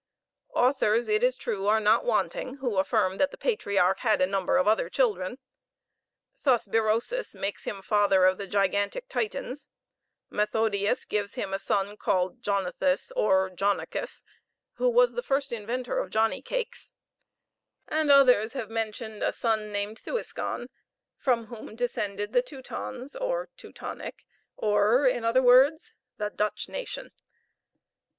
Authors, it is true, are not wanting who affirm that the patriarch had a number of other children. Thus Berosus makes him father of the gigantic Titans; Methodius gives him a son called Jonithus, or Jonicus (who was the first inventor of Johnny cakes); and others have mentioned a son, named Thuiscon, from whom descended the Teutons or Teutonic, or, in other words, the Dutch nation.